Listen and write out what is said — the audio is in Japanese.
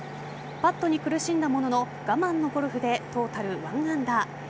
パットに苦しんだものの我慢のゴルフでトータル１アンダー。